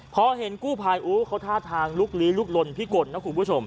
พอเห็นกู้ภัยโอ้เขาท่าทางลุกลี้ลุกลนพิกลนะคุณผู้ชม